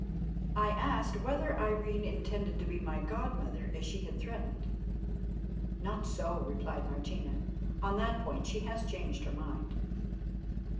I asked whether Irene intended to be my god mother, as she had threatened. "Not so," replied Martina. "On that point she has changed her mind."